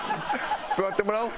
座ってもらおう。